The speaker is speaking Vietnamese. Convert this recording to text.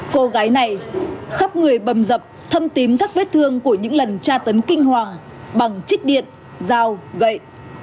cô gái này khắp người bầm dập thâm tím các vết thương của những lần tra tấn kinh hoàng bằng trích điện dao gậy